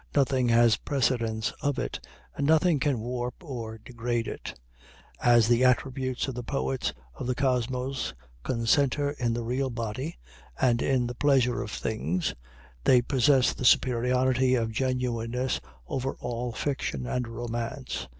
Nothing has precedence of it, and nothing can warp or degrade it. As the attributes of the poets of the kosmos concenter in the real body, and in the pleasure of things, they possess the superiority of genuineness over all fiction and romance.